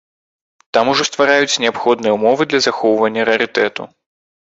Там ужо ствараюць неабходныя ўмовы для захоўвання рарытэту.